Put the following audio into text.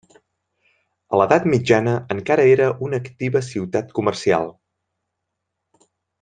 A l'edat mitjana encara era una activa ciutat comercial.